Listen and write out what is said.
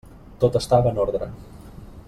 Tot estava en ordre.